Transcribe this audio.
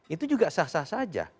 itu juga sah sah saja